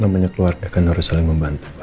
banyak keluarga kan harus saling membantu pak